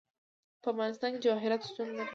په افغانستان کې جواهرات شتون لري.